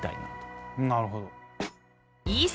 なるほど。